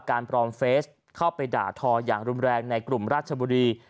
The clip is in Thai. ปลอมเฟสเข้าไปด่าทออย่างรุนแรงในกลุ่มราชบุรี